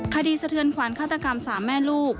คดีสะเทือนขวานฆาตกรรมสามแม่ลูก